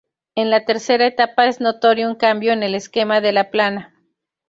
En la tercera etapa es notorio un cambio en el esquema de la plana.